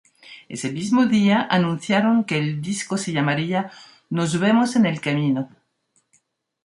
Ese mismo día anunciaron que el disco se llamaría ""Nos vemos en el camino"".